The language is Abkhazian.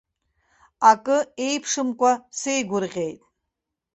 Акы еиԥшымкәа сеигәырӷьеит!